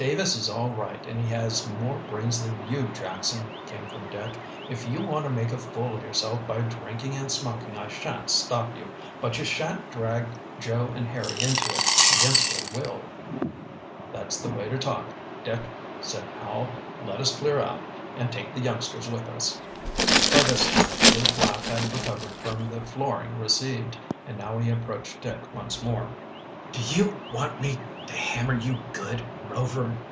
"Davis is all right, and he has more brains than you, Jackson," came from Dick. "If you want to make a fool of yourself by drinking and smoking, I shan't stop you. But you shan't drag Joe and Harry into it against their will." "That's the way to talk, Dick," said Powell. "Let us clear out, and take the youngsters with us." By this time Lew Flap had recovered from the flooring received and now he approached Dick once more. "Do you want me to hammer you good, Rover?"